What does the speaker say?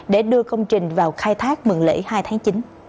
để đưa công trình vào khai thác mừng lễ hai tháng chín